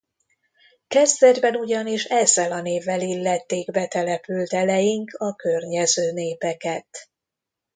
Kezdetben ugyanis ezzel a névvel illették betelepült eleink a környező népeket.